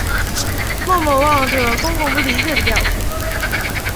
默默望着公公不理解的表情